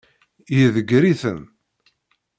Iḍeggeṛ-iten.